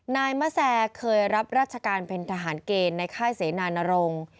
นายมะแซเคยรับราชการเป็นทหารเกณฑ์ในค่ายเสนานรงค์